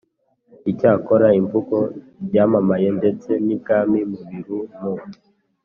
icyakora, imvugo yamamaye ndetse n'ibwami mu biru, mu